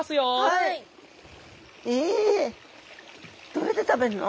どうやって食べるの？